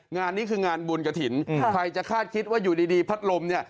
งานนี้คืองานบุญกระถิ่นใครจะคาดคิดว่าอยู่ดีพัดลมเนี่ย